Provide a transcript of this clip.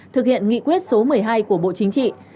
thực hiện nghị quyết số một mươi hai của bộ chính trị